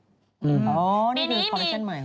อ๋อนี่คือคอลเลชน์ใหม่ของฉัน